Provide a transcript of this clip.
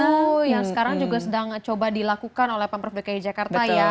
oh yang sekarang juga sedang coba dilakukan oleh pemprov dki jakarta ya